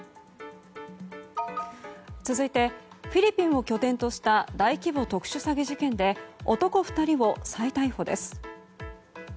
続いてフィリピンを拠点とした大規模特殊詐欺事件で男２人を再逮捕です。